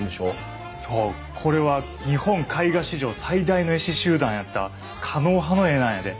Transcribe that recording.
そうこれは日本絵画史上最大の絵師集団やった狩野派の絵なんやで。